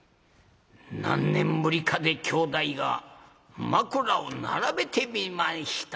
何年ぶりかで兄弟が枕を並べて寝ました